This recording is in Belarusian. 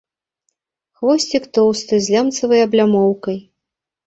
Хвосцік тоўсты, з лямцавай аблямоўкай.